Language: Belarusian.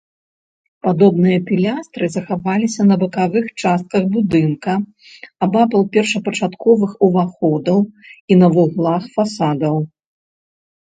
Падобныя пілястры захаваліся на бакавых частках будынка, абапал першапачатковых уваходаў, і на вуглах фасадаў.